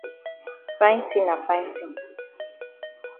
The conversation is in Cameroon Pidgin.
Fine tin na fine tin.